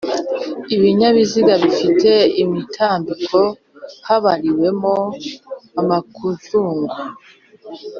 ibinyabiziga bifite imitambiko habariwemo makuzugu T